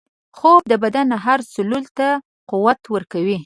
خوب د بدن هر سلول ته قوت ورکوي